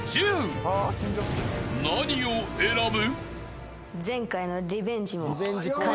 ［何を選ぶ？］